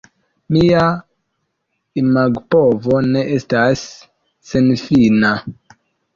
Mia imagpovo ne estas senfina.